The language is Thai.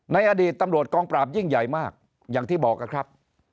ในอดีตตำรวจกองปราบยิ่งใหญ่มากอย่างที่บอกนะครับ